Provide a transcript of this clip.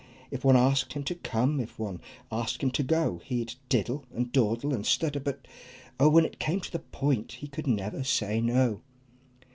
If one asked him to come, if one asked him to go, He'd diddle, and dawdle, and stutter, but oh! When it came to the point he could never say "No!"